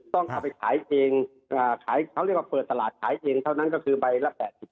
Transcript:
ต้องเอาไปขายเองขายเขาเรียกว่าเปิดตลาดขายเองเท่านั้นก็คือใบละ๘๐